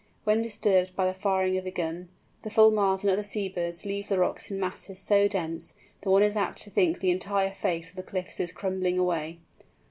When disturbed by the firing of a gun, the Fulmars and other sea birds leave the rocks in masses so dense, that one is apt to think the entire face of the cliffs is crumbling away.